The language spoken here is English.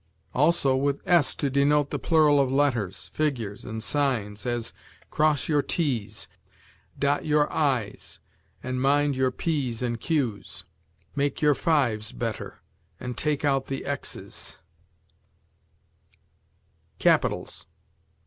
Also with s to denote the plural of letters, figures, and signs; as, Cross your t's, dot your i's, and mind your p's and q's; make your 5's better, and take out the x's. CAPITALS.